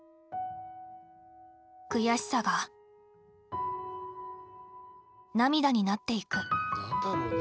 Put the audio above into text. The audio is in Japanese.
悔しさが涙になっていく。